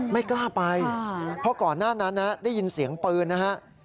ไม่กล้าไปเพราะก่อนหน้านั้นได้ยินเสียงปืนนะฮะ